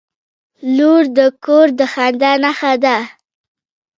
• لور د کور د خندا نښه ده.